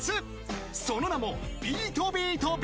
［その名も］